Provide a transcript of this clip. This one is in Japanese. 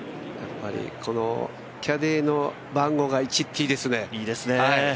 このキャディーの番号が１っていうのがいいですね。